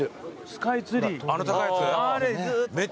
スカイツリー。